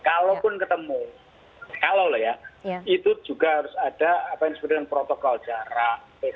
kalaupun ketemu kalau ya itu juga harus ada apa yang disebutkan protokol jarang